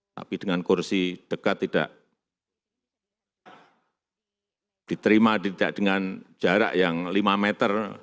tapi dengan kursi dekat tidak diterima tidak dengan jarak yang lima meter